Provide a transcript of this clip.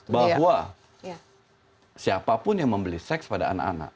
bahwa siapapun yang membeli seks pada anak anak